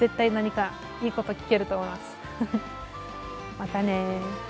またね。